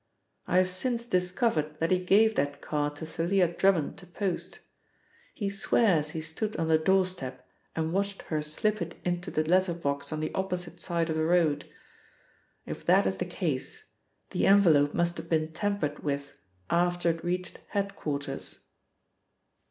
I have since discovered that he gave that card to Thalia Drummond to post; he swears he stood on the doorstep and watched her slip it into the letter box on the opposite side of the road. If that is the case, the envelope must have been tampered with after it reached head quarters."